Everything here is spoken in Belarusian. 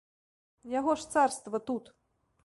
Яго ж царства тут!